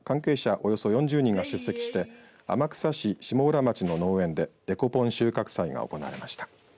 およそ４０人が出席して天草市下浦町の農園でデコポン収穫祭が行われました。